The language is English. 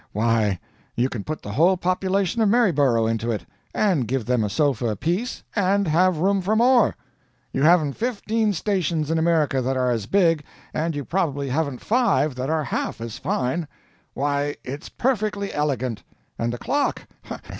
Why, you can put the whole population of Maryborough into it, and give them a sofa apiece, and have room for more. You haven't fifteen stations in America that are as big, and you probably haven't five that are half as fine. Why, it's perfectly elegant. And the clock!